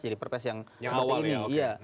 jadi perpres yang seperti ini